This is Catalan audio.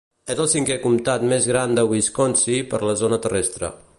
És el cinquè Comtat més gran de Wisconsin per la zona terrestre.